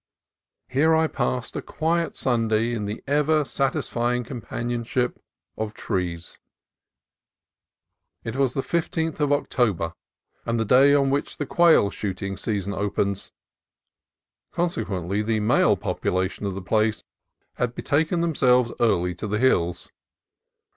Here I passed a quiet Sunday in the ever satisfy ing companionship of trees. It was the 15th of Oc tober and the day on which the quail shooting sea son opens : consequently the male population of the place had betaken themselves early to the hills.